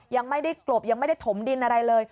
ยังไม่ได้กลบยังไม่ได้ถมดินอะไรเลย